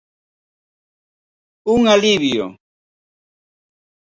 Un alivio.